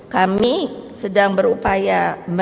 kami sedang berupaya